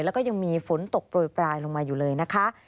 แล้วก็ยังมีฝนตกโปรยปลายลงมาอยู่เลยนะคะ